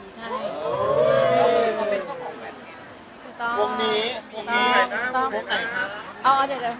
แต่ก็